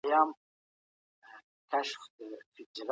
علامه رشاد د وطن د مینې په اړه ډېرې ژورې خبرې کړې دي.